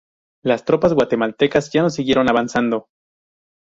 Las tropas guatemaltecas ya no siguieron avanzando.